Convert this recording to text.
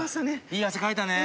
いい汗かいたね。